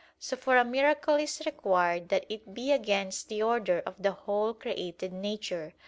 So for a miracle is required that it be against the order of the whole created nature.